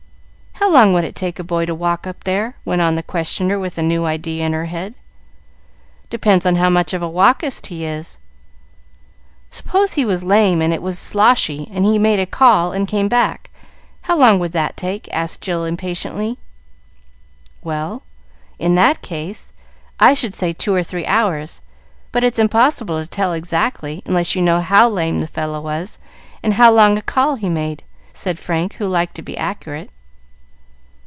"How long would it take a boy to walk up there?" went on the questioner, with a new idea in her head. "Depends on how much of a walkist he is." "Suppose he was lame and it was sloshy, and he made a call and came back. How long would that take?" asked Jill impatiently. "Well, in that case, I should say two or three hours. But it's impossible to tell exactly, unless you know how lame the fellow was, and how long a call he made," said Frank, who liked to be accurate.